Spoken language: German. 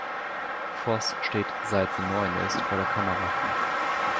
Voß steht seit sie neun ist vor der Kamera.